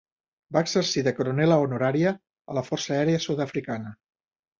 Va exercir de coronela honorària a la Força Aèria Sud-africana.